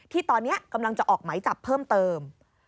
ที่ตอนนี้กำลังจะออกไหมจับเพิ่มเติม